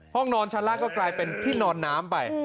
ห้องนอนชั้นล่างก็กลายเป็นที่นอนน้ำไป